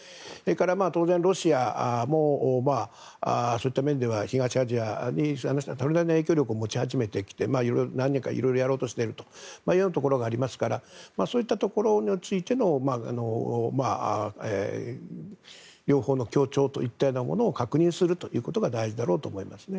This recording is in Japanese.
当然ロシアもそういった面では東アジアにそれなりの影響力を持ち始めていろいろやろうとしているようなところがありますからそういったところについての両方の協調といったものを確認するということが大事だろうと思います。